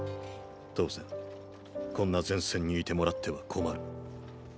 当然こんな前線にいてもらっては困る。